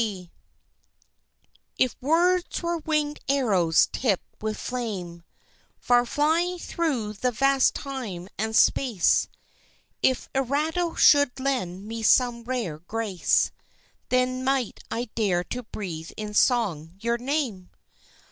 D. MacLean If words were wingèd arrows tipped with flame, Far flying thro' the vast of time and space, If Erato should lend me some rare grace, Then might I dare to breathe in song your name.